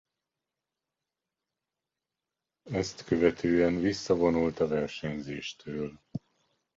Ezt követően visszavonult a versenyzéstől.